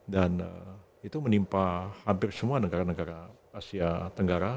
dan itu menimpa hampir semua negara negara asia tenggara